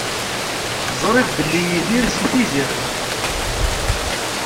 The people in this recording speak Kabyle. Ẓriɣ belli Yidir si Tizi Ɣennif.